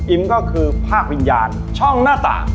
ก็คือภาควิญญาณช่องหน้าต่าง